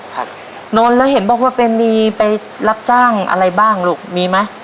ครับนนท์แล้วเห็นบอกว่าเป็นมีไปรับจ้างอะไรบ้างลูกมีไหม